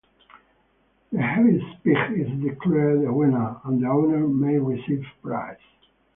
The heaviest pig is declared the winner and the owner may receive a prize.